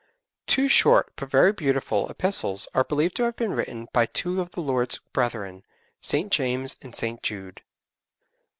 Two short, but very beautiful, epistles are believed to have been written by two of the Lord's brethren, St. James and St. Jude.